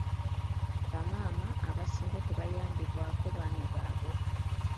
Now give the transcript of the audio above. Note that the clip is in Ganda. Bamaama abasinga tebayambibwako baami baabwe.